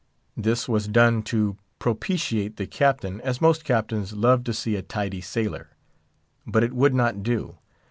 This was done to propitiate the Captain, as most captains love to see a tidy sailor. But it would not do.